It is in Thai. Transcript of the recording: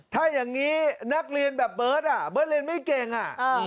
ถ้าอย่างนี้นักเรียนแบบเบิร์ตอ่ะเบิร์ตเรียนไม่เก่งอ่ะ